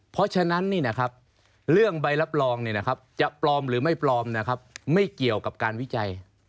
เพราะฉะนั้นเรื่องใบรับรองจะปลอมหรือไม่ปลอมนะครับไม่เกี่ยวกับการวิจัย